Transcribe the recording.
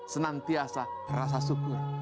senantiasa rasa syukur